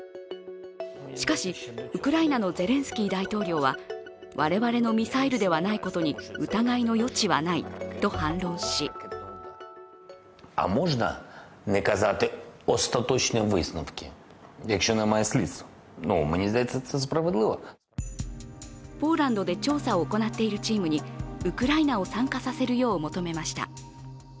しかし、ウクライナのゼレンスキー大統領は我々のミサイルではないことに疑いの余地はないと反論しポーランドで調査を行っているチームにウクライナを参加させるよう求めました。